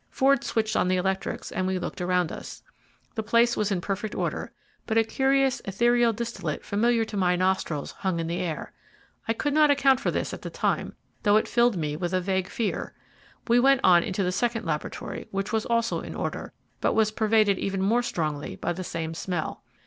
Ford switched on the electrics, and we looked around us. The place was in perfect order, but a curious ethereal distillate familiar to my nostrils hung in the air. I could not account for this at the time, although it filled me with a vague fear. We went on into the second laboratory, which was also in order, but was pervaded even more strongly by the same smell.